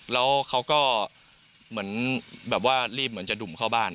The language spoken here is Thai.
แล้วเขาก็เหมือนว่ารีบจะดุ่มเข้าบ้าน